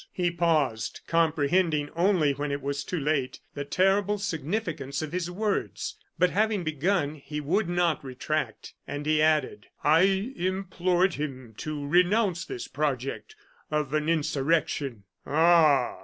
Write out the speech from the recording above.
He paused, comprehending only when it was too late, the terrible significance of his words. But having begun, he would not retract, and he added: "I implored him to renounce this project of an insurrection." "Ah!